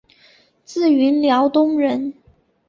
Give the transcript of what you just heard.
自云辽东人。